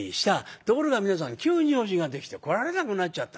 ところが皆さん急に用事ができて来られなくなっちゃった。